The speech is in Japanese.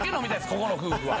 ここの夫婦は。